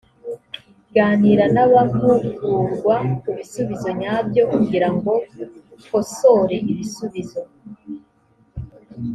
ganira n abahugurwa ku bisubizo nyabyo kugirango kosore ibisubizo